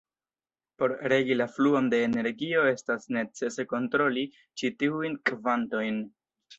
Por regi la fluon de energio estas necese kontroli ĉi tiujn kvantojn.